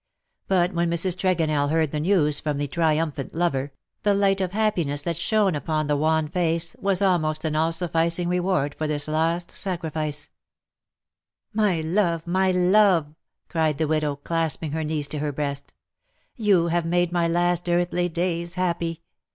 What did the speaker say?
But when Mrs. Tregonell heard the news from the triumphant lover, the light of happiness that shone upon the wan face was almost an all sufficiug reward for this last sacrifice. ARE MUTE FOR EVER." 123 " My love, my love/^ cried the widow, clasping her niece to her breast. "■ You have made my last earthly days happy.